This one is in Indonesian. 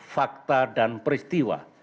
fakta dan peristiwa